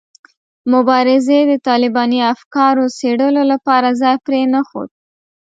مبارزې د طالباني افکارو څېړلو لپاره ځای پرې نه ښود.